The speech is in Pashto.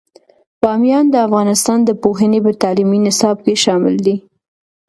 بامیان د افغانستان د پوهنې په تعلیمي نصاب کې شامل دی.